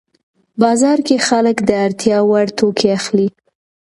بازار کې خلک د اړتیا وړ توکي اخلي